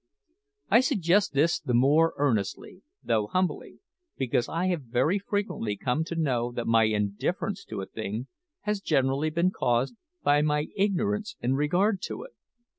I suggest this the more earnestly, though humbly, because I have very frequently come to know that my indifference to a thing has generally been caused by my ignorance in regard to it.